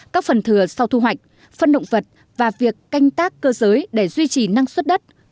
các phần thừa sau thu hoạch phân động vật và việc canh tác cơ giới để duy trì năng suất đất